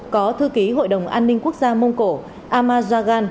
có thư ký hội đồng an ninh quốc gia mông cổ amar jagan